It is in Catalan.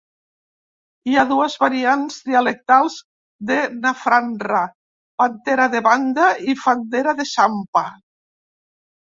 Hi ha dues variants dialectals de Nafaanra: Pantera de Banda i Fandera de Sampa.